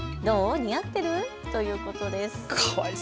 似合ってる？ということです。